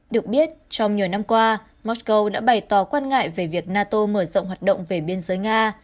được biết trong nhiều năm qua moscow đã bày tỏ quan ngại về việc nato mở rộng hoạt động về biên giới nga